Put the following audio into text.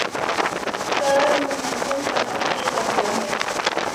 کر منظم کرنا شروع کر دیا ہے۔